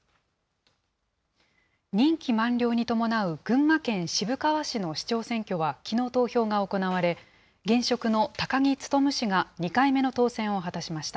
任期満了に伴う群馬県渋川市の市長選挙はきのう投票が行われ、現職の高木勉氏が２回目の当選を果たしました。